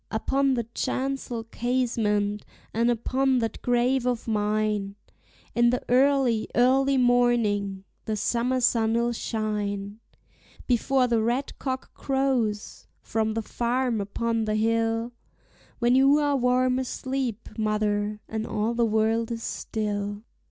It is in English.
Upon the chancel casement, and upon that grave of mine, In the early, early morning the summer sun'll shine, Before the red cock crows from the farm upon the hill, When you are warm asleep, mother, and all the world is still.